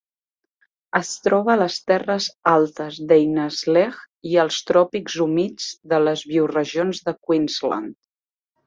Es troba a les terres altes d'Einaslegh i als tròpics humits de les bioregions de Queensland.